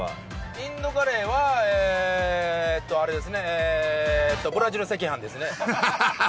インドカレーはあれですね、ブラジル赤飯ですね。